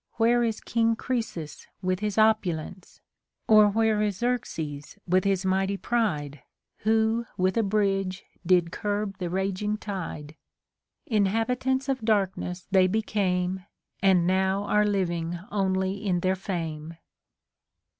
Where is King Croesus with his opulence 1 Or where is Xerxes with his mighty pride, Who with a bridge did curb the raging tide ? Inhabitants of darkness they became. And now are living only in their fame.